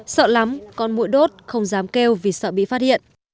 sợ lắm con mũi đốt không dám kêu vì sợ bị phát hiện